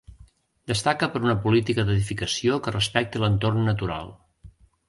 Destaca per una política d'edificació que respecta l'entorn natural.